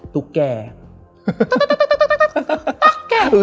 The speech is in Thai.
ตุ๊กแก่